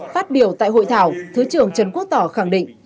phát biểu tại hội thảo thứ trưởng trần quốc tỏ khẳng định